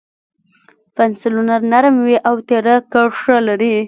B پنسلونه نرم وي او تېره کرښه لري.